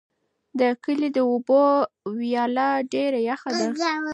د کلي د اوبو ویاله ډېره یخه ده.